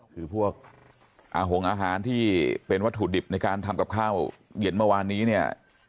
คือพวกหงอาหารที่เป็นวัตถุดิบในการทำกับข้าวเย็นเมื่อวานนี้เนี่ย